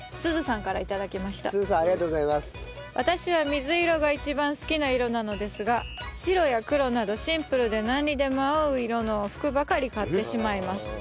私は水色が一番好きな色なのですが白や黒などシンプルでなんにでも合う色の服ばかり買ってしまいます。